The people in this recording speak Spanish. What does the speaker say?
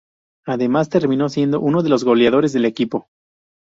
Además terminó siendo uno de los goleadores del equipo.